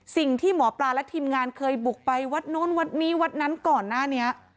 สิ่งที่หมอปลาและทีมงานเคยบุกไปวัดโน้นวัดนี้วัดนั้นก่อนหน้านี้